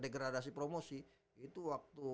degradasi promosi itu waktu